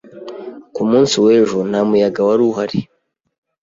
Ku munsi w'ejo nta muyaga wari uhari.